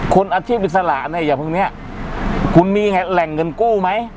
คนอาชีพอิสระเนี่ยอย่าเพิ่งเนี้ยคุณมีแหล่งเงินกู้ไหม